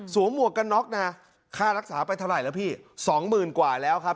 หมวกกันน็อกนะค่ารักษาไปเท่าไหร่แล้วพี่สองหมื่นกว่าแล้วครับ